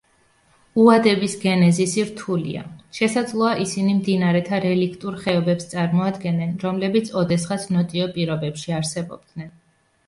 უადების გენეზისი რთულია, შესაძლოა ისინი მდინარეთა რელიქტურ ხეობებს წარმოადგენენ, რომლებიც ოდესღაც ნოტიო პირობებში არსებობდნენ.